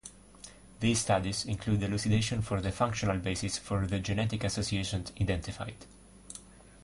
These studies include elucidation of the functional basis for the genetic associations identified.